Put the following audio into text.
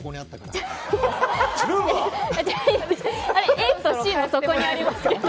ＡとＣもそこにありますけど。